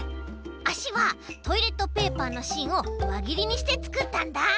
あしはトイレットペーパーのしんをわぎりにしてつくったんだ。